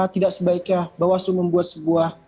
tidak sebaiknya bawaslu membuat sebuah